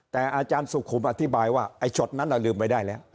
แต่อาจารย์สุขุมอธิบายว่าไอ้ช็อตนั้นลืมไว้ได้แล้ว